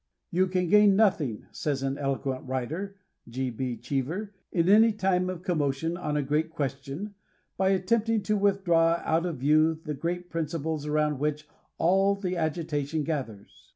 ••You can gain nothing," says an eloquent writer,* ♦• in any time of commotion on a great question, by attempting to withdraw out of view the great principles around which all the agitation gathers.